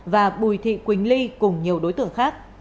và bùi thị quỳnh ly cùng nhiều đối tượng khác